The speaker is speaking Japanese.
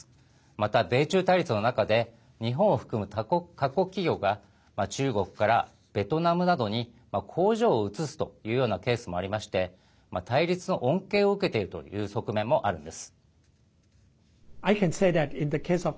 また、米中対立の中で日本を含む各国企業が中国からベトナムなどに工場を移すというようなケースもありまして対立の恩恵を受けているという側面もあるんです。